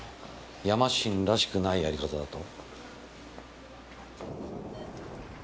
ヤマシンらしくないやり方だと？